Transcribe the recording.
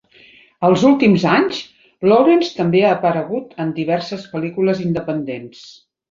Els últims anys, Lawrence també ha aparegut en diverses pel·lícules independents.